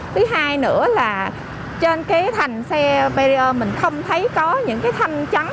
thứ hai nữa là trên cái thành xe perio mình không thấy có những cái thanh trắng